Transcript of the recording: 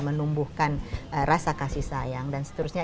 menumbuhkan rasa kasih sayang dan seterusnya